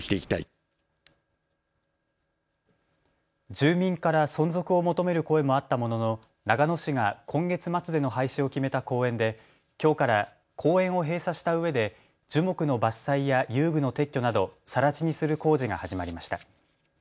住民から存続を求める声もあったものの長野市が今月末での廃止を決めた公園できょうから公園を閉鎖したうえで樹木の伐採や遊具の撤去など、さら地にする工事が始まりました。